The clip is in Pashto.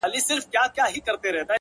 • یا دي زما له کوره ټول سامان دی وړی ,